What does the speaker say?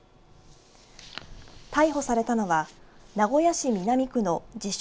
逮捕されたのは名古屋市南区の自称